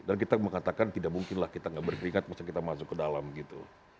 dan kita mengatakan tidak mungkinlah kita gak berkeringat masa kita masuk ke dalam gitu